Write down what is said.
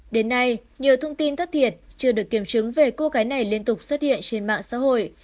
đến nay nhiều thông tin thất thiệt chưa được kiểm chứng về cô gái này liên tục xuất hiện trên mạng xã hội